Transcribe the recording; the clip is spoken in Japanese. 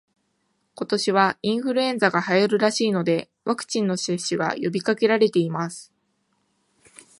今年はインフルエンザが流行るらしいので、ワクチンの接種が呼びかけられています